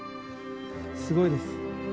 すごいです。